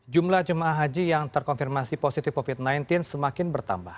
jumlah jemaah haji yang terkonfirmasi positif covid sembilan belas semakin bertambah